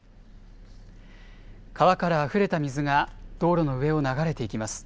川からあふれた水が、道路の上を流れていきます。